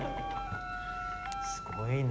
すごいな。